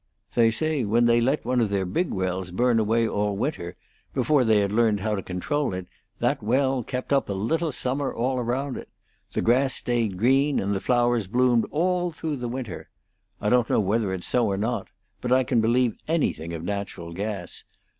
They say when they let one of their big wells burn away all winter before they had learned how to control it, that well kept up a little summer all around it; the grass stayed green, and the flowers bloomed all through the winter. I don't know whether it's so or not. But I can believe anything of natural gas.